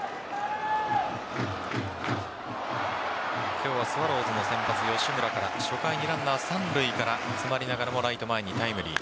今日はスワローズの先発吉村から初回にランナー三塁から詰まりながらもライト前にタイムリー。